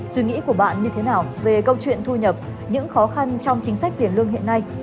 suy nghĩ của bạn như thế nào về câu chuyện thu nhập những khó khăn trong chính sách tiền lương hiện nay